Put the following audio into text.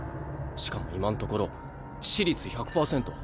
しかも今んところ致死率１００％。